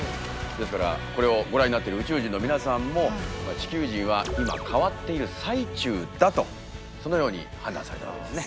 ですからこれをご覧になってる宇宙人の皆さんも地球人は今変わっている最中だとそのように判断されたわけですね。